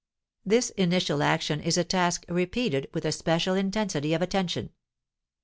This initial action is a task repeated with a special intensity of attention.